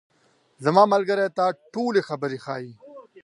زما ملګري ته ټولې خبرې ښیې.